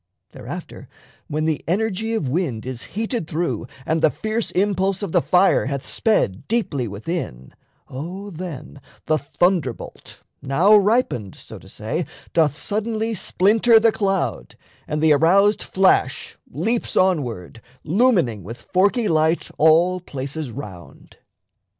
Thereafter, when The energy of wind is heated through And the fierce impulse of the fire hath sped Deeply within, O then the thunderbolt, Now ripened, so to say, doth suddenly Splinter the cloud, and the aroused flash Leaps onward, lumining with forky light All places round.